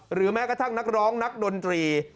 แม้กระทั่งนักร้องนักดนตรี